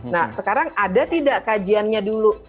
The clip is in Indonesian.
nah sekarang ada tidak kajiannya dulu